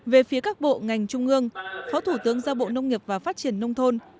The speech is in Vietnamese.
về phía các bộ ngành trung ương phó thủ tướng giao bộ nông nghiệp và phát triển nông thôn